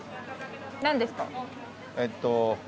何ですか？